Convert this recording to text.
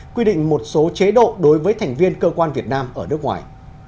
quy định một số chế độ đối với thành viên cơ quan việt nam ở nước ngoài